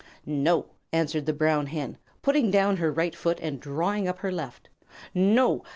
"No!" answered the Brown Hen, putting down her right foot and drawing up her left. "No!